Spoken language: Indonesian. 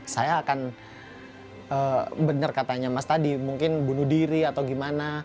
saya akan benar katanya mas tadi mungkin bunuh diri atau gimana